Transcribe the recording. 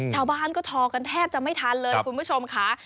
ชาวบ้านก็ทอกันแทบจะไม่ทันเลยคุณผู้ชมค่ะ